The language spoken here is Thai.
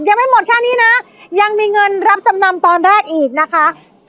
ยังไม่หมดแค่นี้นะยังมีเงินรับจำนำตอนแรกอีกนะคะ